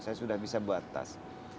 saya sudah bisa buat tas